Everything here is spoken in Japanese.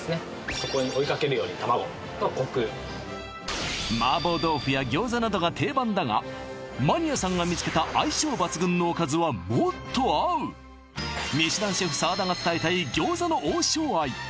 そこに追いかけるように玉子のコク麻婆豆腐や餃子などが定番だがマニアさんが見つけた相性抜群のおかずはもっと合うミシュランシェフ澤田が伝えたい餃子の王将愛